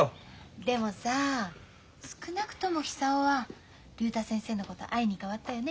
でもさ少なくとも久男は竜太先生のこと愛に変わったよね